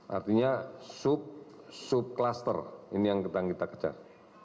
artinya sub sub cluster ini yang kita kejar